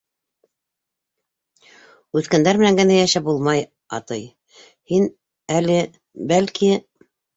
Үткәндәр менән генә йәшәп булмай, атый... һин әле... бәлки...